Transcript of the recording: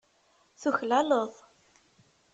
Tuklaleḍ.